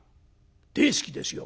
「大好きですよ」。